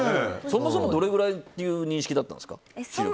そもそもどれくらいの認識だったんですか。